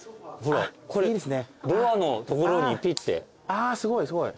あすごいすごい。